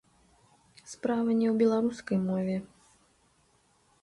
Справа не ў беларускай мове.